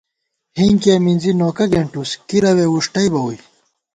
ہِنکِیَہ مِنزی نوکہ گېنٹُوس، کِرَوے وُݭٹَئیبہ ووئی